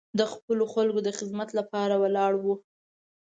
د خپلو خلکو د خدمت لپاره ولاړ و.